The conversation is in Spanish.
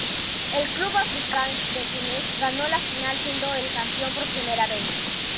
El Club Africain de Túnez ganó la final, siendo el campeón por primera vez.